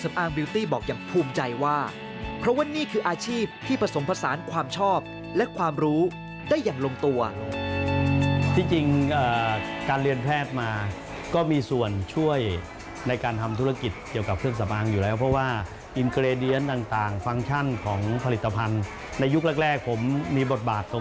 สวยขึ้นด้วยยิ่งอยู่นานยิ่งสวยใช่ครับ